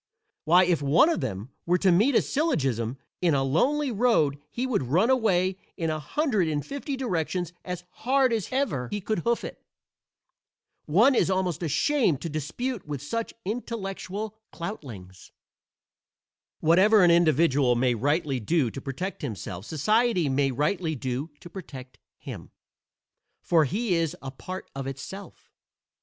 Why, if one of them were to meet a syllogism in a lonely road he would run away in a hundred and fifty directions as hard as ever he could hoof it. One is almost ashamed to dispute with such intellectual cloutlings. Whatever an individual may rightly do to protect himself society may rightly do to protect him, for he is a part of itself.